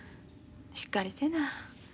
しっかりせな。